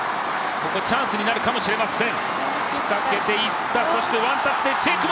ここチャンスになるかもしれません。